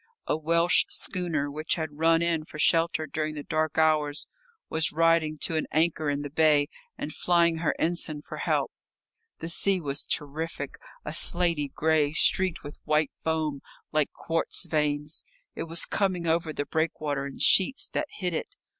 A Welsh schooner, which had run in for shelter during the dark hours, was riding to an anchor in the bay and flying her ensign for help. The sea was terrific a slaty grey, streaked with white foam, like quartz veins. It was coming over the breakwater in sheets that hid it.